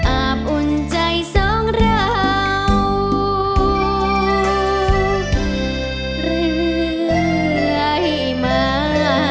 อาบอุ่นใจสองเราเรื่อยมา